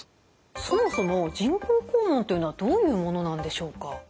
そもそも人工肛門というのはどういうものなんでしょうか？